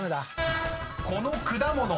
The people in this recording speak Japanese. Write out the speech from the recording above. ［この果物は？］